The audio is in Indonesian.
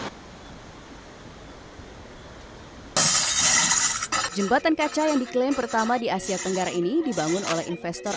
hai jembatan kaca yang diklaim pertama di asia tenggara ini dibangun oleh investor